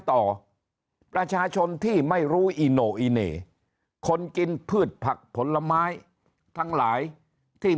ต่อประชาชนที่ไม่รู้อีโน่อีเหน่คนกินพืชผักผลไม้ทั้งหลายที่